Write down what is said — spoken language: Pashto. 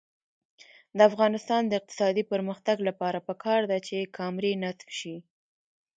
د افغانستان د اقتصادي پرمختګ لپاره پکار ده چې کامرې نصب شي.